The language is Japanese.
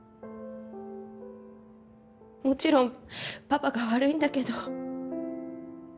もちろんパパが悪いんだけど。